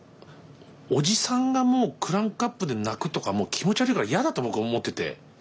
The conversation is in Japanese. おじさんがもうクランクアップで泣くとかもう気持ち悪いから嫌だと僕は思ってて。